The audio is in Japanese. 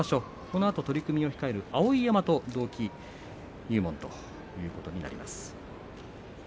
このあと取組を控える碧山と同期入門ということになります。